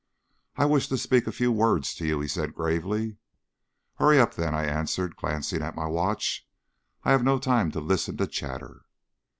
"I wish to speak a few words to you," he said gravely. "Hurry up, then!" I answered, glancing at my watch. "I have no time to listen to chatter."